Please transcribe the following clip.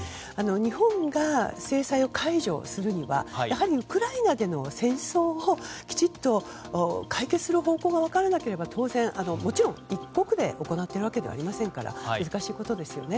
日本が制裁を解除するにはやはりウクライナでの戦争をきちっと解決する方向が分からなければ当然、もちろん一国で行っているわけではありませんから難しいことですよね。